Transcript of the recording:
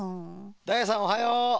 ダイヤさんおはよう！